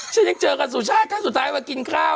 ฉันยังเจอกันสุชาติถ้าสุดท้ายกินข้าว